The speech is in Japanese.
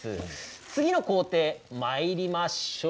次の工程にまいりましょう。